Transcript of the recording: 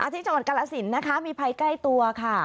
ที่จังหวัดกระลสินมีไพร์ใกล้ตัวค่ะ